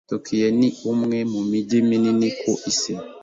Tokiyo ni umwe mu mijyi minini ku isi.